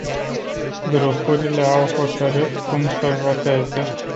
Grupurile au hotărât cum să voteze.